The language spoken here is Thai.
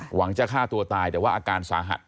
หวังจะฆ่าตัวตายแต่ว่าอาการสาหัส